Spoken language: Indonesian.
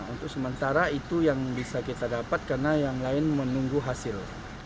untuk sementara itu yang bisa kita dapat karena yang lain menunggu hasil